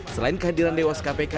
selain kehadiran dewas kpk